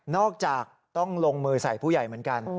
จากต้องลงมือใส่ผู้ใหญ่เหมือนกัน